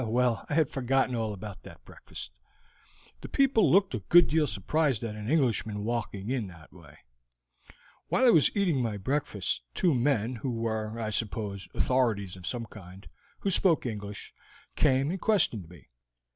Well, I had forgotten all about that breakfast. The people looked a good deal surprised at an Englishman walking in in that way. While I was eating my breakfast two men who were, I suppose, authorities of some kind who spoke English, came and questioned me.